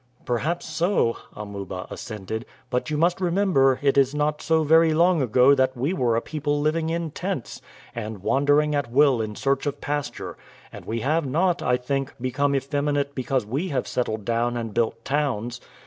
"Perhaps so," Amuba assented; "but you must remember it is not so very long ago that we were a people living in tents, and wandering at will in search of pasture, and we have not, I think, become effeminate because we have settled down and built towns.